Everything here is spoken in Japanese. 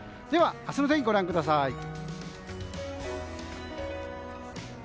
では、明日の天気ご覧ください。